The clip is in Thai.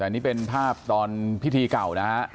นี่เป็นภาพตอนพิธีเก่า